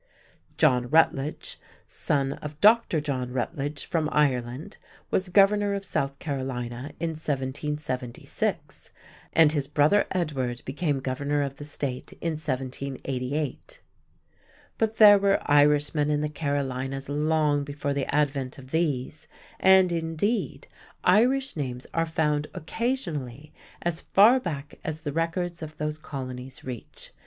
John Rutledge, son of Dr. John Rutledge from Ireland, was governor of South Carolina in 1776 and his brother Edward became governor of the State in 1788. But there were Irishmen in the Carolinas long before the advent of these, and indeed Irish names are found occasionally as far back as the records of those colonies reach.